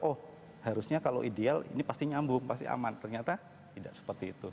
oh harusnya kalau ideal ini pasti nyambung pasti aman ternyata tidak seperti itu